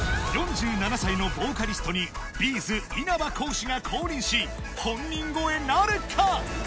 ４７歳のボーカリストにＢ’ｚ・稲葉浩志が降臨し本人超えなるか？